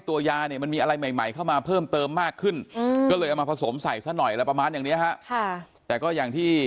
แต่ก็อย่างที่ทาง